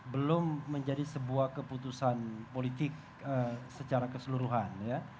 belum menjadi sebuah keputusan politik secara keseluruhan ya